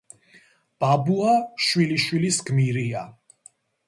ბაბუა შვილიშვილის გმირია